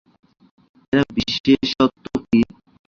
এর বিশেষত্ব কী?